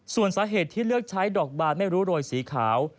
ส่วนสาเหตุที่เลือกใช้ดอกบานไม่รู้โรยสีขาว